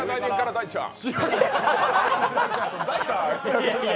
大ちゃーん！